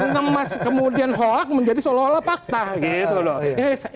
mengemas kemudian hoak menjadi seolah olah fakta gitu loh